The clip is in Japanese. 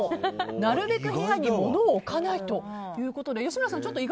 なるべく部屋に物を置かないということで吉村さん